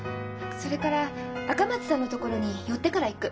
それから赤松さんのところに寄ってから行く。